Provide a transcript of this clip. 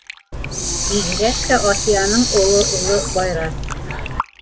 Бигерәк тә Асияның оло улы - Байрас.